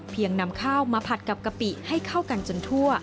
นำข้าวมาผัดกับกะปิให้เข้ากันจนทั่ว